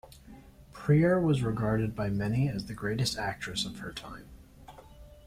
Preer was regarded by many as the greatest actress of her time.